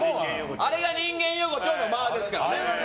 あれが人間横丁の間ですから。